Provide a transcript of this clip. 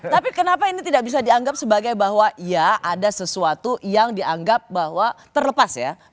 tapi kenapa ini tidak bisa dianggap sebagai bahwa ya ada sesuatu yang dianggap bahwa terlepas ya